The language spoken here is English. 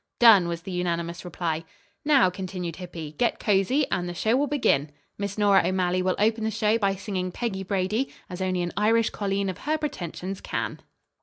"Done," was the unanimous reply. "Now," continued Hippy, "get cozy, and the show will begin. Miss Nora O'Malley will open the show by singing 'Peggy Brady,' as only an Irish colleen of her pretensions can."